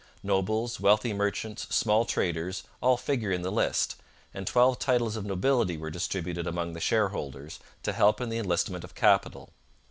Nobles, wealthy merchants, small traders, all figure in the list, and twelve titles of nobility were distributed among the shareholders to help in the enlistment of capital.